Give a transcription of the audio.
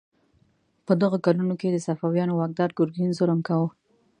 په دغو کلونو کې د صفویانو واکدار ګرګین ظلم کاوه.